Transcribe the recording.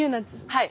はい。